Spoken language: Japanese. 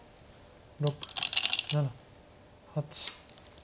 ６７８。